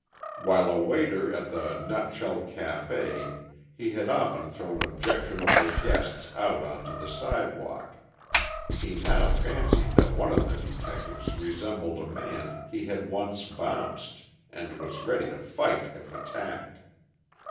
While a waiter at the "Nutshell Café" he had often thrown objectionable guests out onto the sidewalk. He now fancied that one of the detectives resembled a man he had once "bounced," and was ready to fight if attacked.